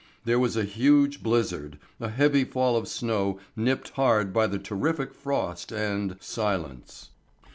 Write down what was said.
There was a huge blizzard, a heavy fall of snow nipped hard by the terrific frost and silence.